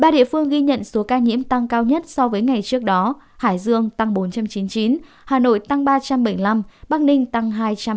ba địa phương ghi nhận số ca nhiễm tăng cao nhất so với ngày trước đó hải dương tăng bốn trăm chín mươi chín hà nội tăng ba trăm bảy mươi năm bắc ninh tăng hai trăm ba mươi